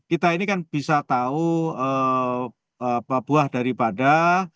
kita ini kan bisa tahu buah daripada